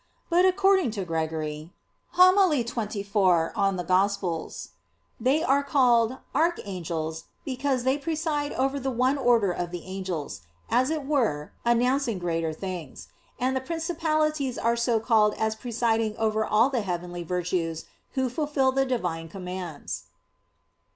But according to Gregory (Hom. xxiv in Ev.) they are called "Archangels," because they preside over the one order of the "Angels"; as it were, announcing greater things: and the "Principalities" are so called as presiding over all the heavenly "Virtues" who fulfil the Divine commands.